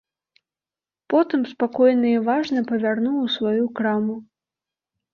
Потым спакойна і важна павярнуў у сваю краму.